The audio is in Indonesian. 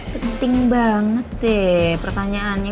penting banget deh pertanyaannya